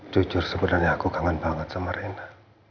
jujur sebenarnya aku kangen banget sama renda